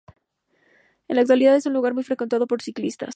En la actualidad es un lugar muy frecuentado por ciclistas.